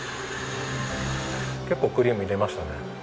結構クリーム入れましたね。